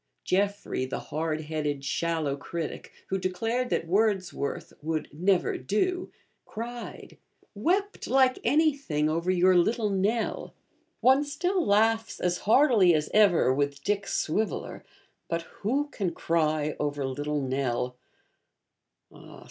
Jeffrey, the hard headed shallow critic, who declared that Wordsworth 'would never do,' cried, 'wept like anything,' over your Little Nell. One still laughs as heartily as ever with Dick Swiveller; but who can cry over Little Nell?